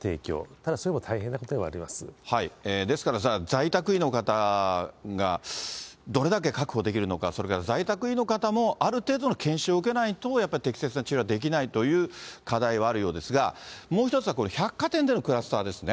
ただ、それも大変なことではありですから、在宅医の方がどれだけ確保できるのか、それから在宅医の方も、ある程度の研修を受けないと、やっぱり適切な治療はできないという課題はあるようですが、もう一つはこれ、百貨店でのクラスターですね。